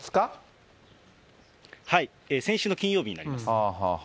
はい、先週の金曜日になります。